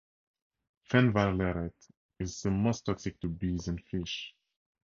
Fenvalerate is most toxic to bees and fish.